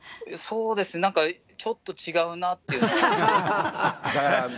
そうですね、なんかちょっと違うなっていうのは。